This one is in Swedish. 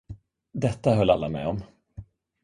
Detta höll alla med om.